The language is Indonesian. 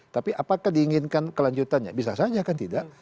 tapi apakah diinginkan kelanjutannya bisa saja kan tidak